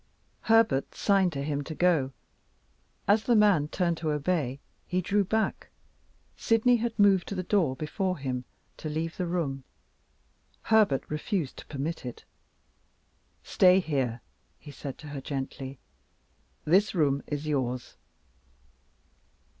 Herbert signed to him to go. As the man turned to obey, he drew back. Sydney had moved to the door before him, to leave the room. Herbert refused to permit it. "Stay here," he said to her gently; "this room is yours."